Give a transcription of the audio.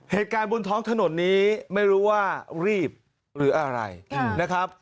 เหตุการณ์บนท้องถนนนี้ไม่รู้ว่ารีบหรืออะไรนะครับ